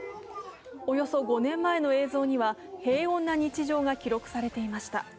およそ５年前の映像には平穏な日常が記録されていました。